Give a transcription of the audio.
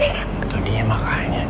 itu dia makanya